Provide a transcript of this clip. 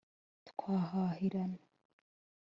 twahahirana